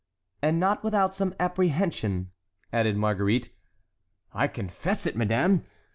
"And not without some apprehension," added Marguerite. "I confess it, madame!